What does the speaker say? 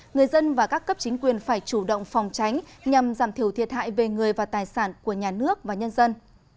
người dân và các cấp chính quyền phải chủ động phòng tránh nhằm giảm thiểu thiệt hại về người và tài sản của nhà nước và nhân dân